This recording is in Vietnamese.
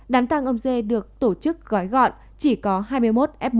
đám tăng ông d được tổ chức gói gọn chỉ có hai mươi một f một